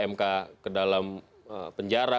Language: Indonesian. mk ke dalam penjara